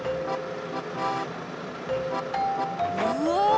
うわ！